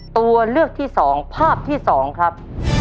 ตัวเลือกที่๒ภาพที่๒ครับ